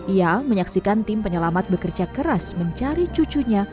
ia menyaksikan tim penyelamat bekerja keras mencari cucunya